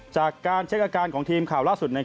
จากการเช็คอาการของทีมข่าวล่าสุด